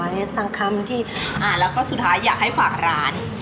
แล้วก็สุดท้ายอยากให้ฝากร้าน